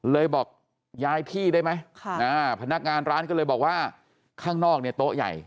เลยบอกย้ายที่ได้ไหมพนักงานร้านก็เลยบอกว่าข้างนอกเนี่ยโต๊ะใหญ่